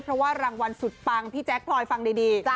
เพราะว่ารางวัลสุดปังพี่แจ๊คพลอยฟังดี